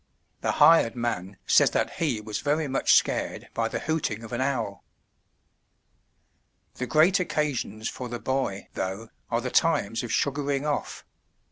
The hired man says that he was very much scared by the hooting of an owl. The great occasions for the boy, though, are the times of "sugaring off.'